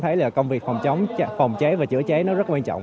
thấy là công việc phòng cháy và chữa cháy nó rất quan trọng